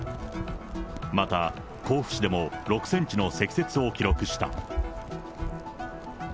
また、甲府市でも６センチの積雪を記録した。